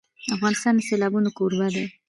افغانستان د سیلابونه کوربه دی.